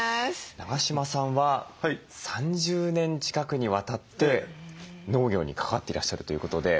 永島さんは３０年近くにわたって農業に関わっていらっしゃるということで。